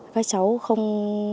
các cháu không